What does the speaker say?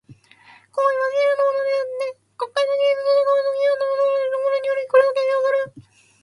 皇位は、世襲のものであつて、国会の議決した皇室典範の定めるところにより、これを継承する。